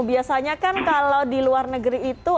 biasanya kan kalau di luar negeri itu